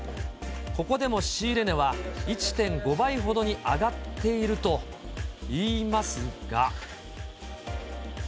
ここでも仕入れ値は１．５倍ほどに上がっているといいますが。